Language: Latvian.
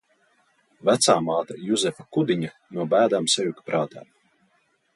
Vecāmāte Juzefa Kudiņa no bēdām sajuka prātā.